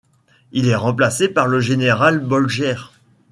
Il est remplacé par le général Bolgert.